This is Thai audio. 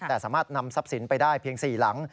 แต่สามารถนำทรัพย์สินไปได้เพียง๔หลัง